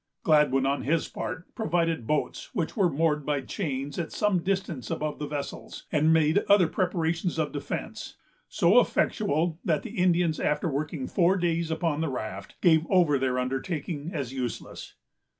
Gladwyn, on his part, provided boats which were moored by chains at some distance above the vessels, and made other preparations of defence, so effectual that the Indians, after working four days upon the raft, gave over their undertaking as useless.